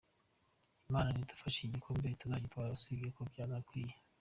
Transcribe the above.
Imana nidufasha iki gikombe tuzagitwara usibye ko binakwiye.